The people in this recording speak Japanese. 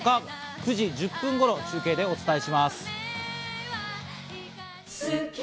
９時１０分頃、中継でお伝えします。